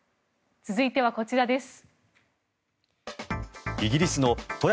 続いてはこちらです。